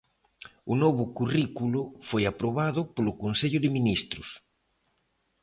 O novo currículo foi aprobado polo Consello de Ministros.